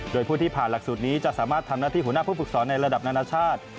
โดยผู้ที่ผ่านหลักสูตรนี้จะสามารถทำหน้าที่หัวหน้าผู้ฝึกสอนในระดับนานาชาติ